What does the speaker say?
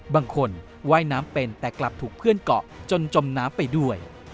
ว่ายน้ำเป็นแต่กลับถูกเพื่อนเกาะจนจมน้ำไปด้วย